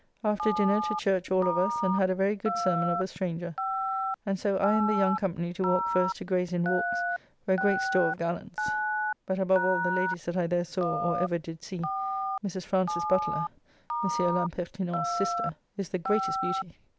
After dinner to church all of us and had a very good sermon of a stranger, and so I and the young company to walk first to Graye's Inn Walks, where great store of gallants, but above all the ladies that I there saw, or ever did see, Mrs. Frances Butler (Monsieur L'Impertinent's sister) is the greatest beauty.